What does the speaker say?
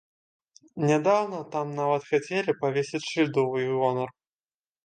Нядаўна там нават хацелі павесіць шыльду ў іх гонар.